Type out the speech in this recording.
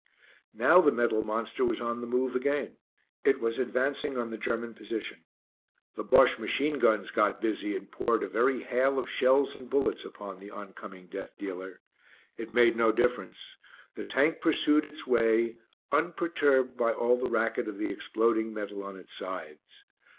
Now the metal monster was on the move again. It was advancing on the German position. The Bosche machine guns got busy and poured a very hail of shells and bullets upon the oncoming death dealer. It made no difference. The Tank pursued its way, unperturbed by all the racket of the exploding metal on its sides.